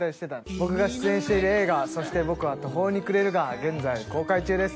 僕が出演している映画『そして僕は途方に暮れる』が現在公開中です。